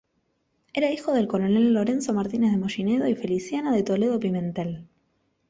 Era hijo del coronel Lorenzo Martínez de Mollinedo y Feliciana de Toledo Pimentel.